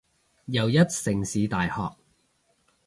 又一城市大學